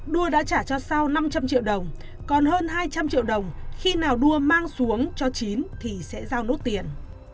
đua đã trả cho sao năm trăm linh triệu đồng còn hơn hai trăm linh triệu đồng khi nào đua mang xuống cho chín thì sẽ giao nốt tiền